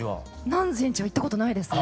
南禅寺は行ったことないですね。